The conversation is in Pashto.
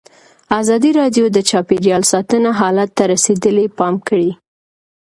ازادي راډیو د چاپیریال ساتنه حالت ته رسېدلي پام کړی.